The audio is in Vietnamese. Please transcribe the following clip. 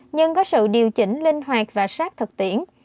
nhưng có sự điều chỉnh linh hoạt và sát thực tiễn